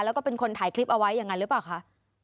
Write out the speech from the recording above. แล้วก็เป็นคนถ่ายคลิปเอาไว้อย่างนั้นหรือเปล่าคะ